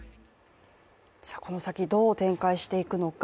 この先、どう展開していくのか。